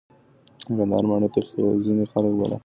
د کندهار ماڼۍ ته ځینې خلک بالاحصار وایې.